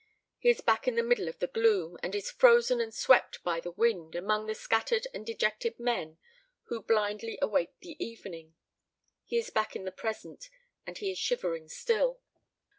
He is back in the middle of the gloom, and is frozen and swept by the wind, among the scattered and dejected men who blindly await the evening. He is back in the present, and he is shivering still.